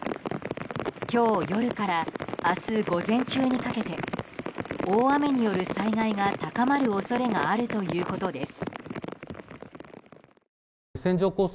今日夜から明日午前中にかけて大雨による災害が高まる恐れがあるということです。